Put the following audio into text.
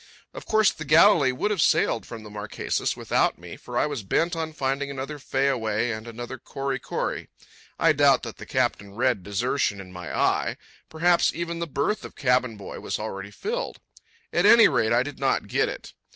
Of course, the Galilee would have sailed from the Marquesas without me, for I was bent on finding another Fayaway and another Kory Kory. I doubt that the captain read desertion in my eye. Perhaps even the berth of cabin boy was already filled. At any rate, I did not get it.